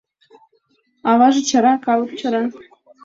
Аваже чара, калык чара.